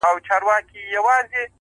اوس د چا پر پلونو پل نږدم بېرېږم;